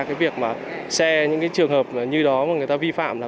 cái việc mà xe những cái trường hợp như đó mà người ta vi phạm